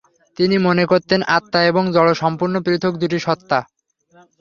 তিনি মনে করতেন, আত্মা এবং জড় সম্পূর্ণ পৃথক দুটি সত্তা।